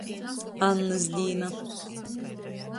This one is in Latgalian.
Annys dīna.